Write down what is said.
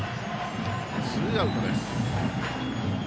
ツーアウトです。